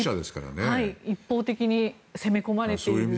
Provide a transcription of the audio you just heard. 一方的に攻め込まれている中で。